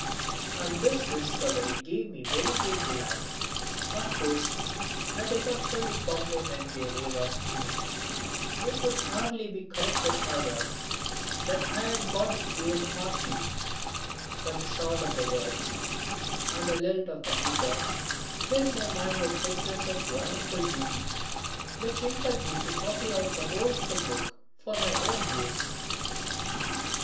And this discovery gave me very great delight. Of course I did not fully comprehend Jayadeva's meaning. It would hardly be correct to aver that I had got it even partly. But the sound of the words and the lilt of the metre filled my mind with pictures of wonderful beauty, which impelled me to copy out the whole of the book for my own use.